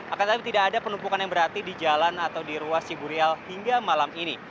akan tetapi tidak ada penumpukan yang berarti di jalan atau di ruas ciburial hingga malam ini